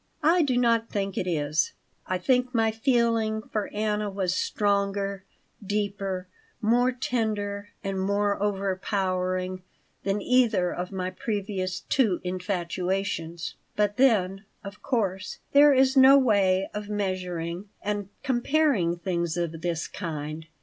I do not think it is. I think my feeling for Anna was stronger, deeper, more tender, and more overpowering than either of my previous two infatuations. But then, of course, there is no way of measuring and comparing things of this kind.